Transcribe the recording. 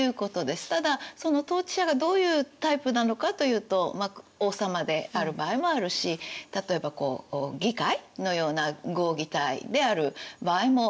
ただその統治者がどういうタイプなのかというと王様である場合もあるし例えば議会のような合議体である場合もある。